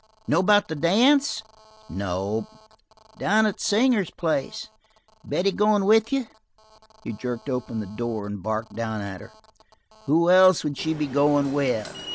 Know about the dance?" "Nope." "Down to Singer's place. Betty goin' with you?" He jerked open the door and barked down at her: "Who else would she be goin' with?"